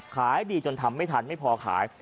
ขายดีจนทำไม่ทันไม่พอขาย